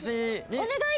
お願い！